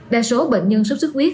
đa số bệnh nhân sốt sốt huyết